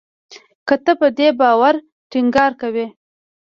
که ته په دې باور ټینګار کوې